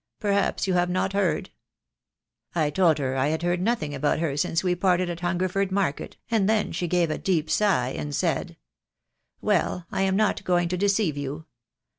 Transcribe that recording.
Perhaps you have not heard/ I told her I had heard nothing about her since we parted at Hungerford Market, and then she gave a deep sigh, and said, 'Well, I am not going to deceive you.